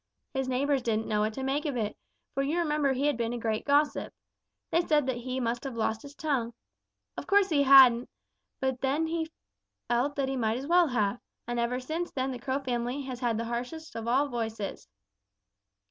His neighbors didn't know what to make of it, for you remember he had been a great gossip. They said that he must have lost his tongue. Of course he hadn't, but he felt that he might as well have. And ever since then the Crow family has had the harshest of all voices."